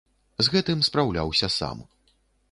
З гэтым спраўляўся сам.